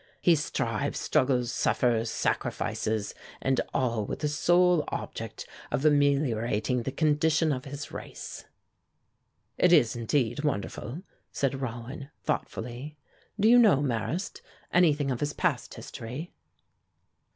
He strives, struggles, suffers, sacrifices, and all with the sole object of ameliorating the condition of his race." "It is, indeed, wonderful," said Rollin, thoughtfully. "Do you know, Marrast, anything of his past history?"